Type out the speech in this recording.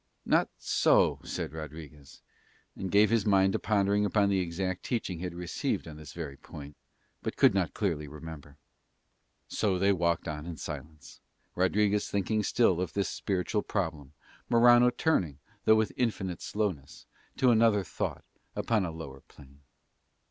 "Not so," said Rodriguez, and gave his mind to pondering upon the exact teaching he had received on this very point, but could not clearly remember. So they walked in silence, Rodriguez thinking still of this spiritual problem, Morano turning, though with infinite slowness, to another thought upon a lower plane.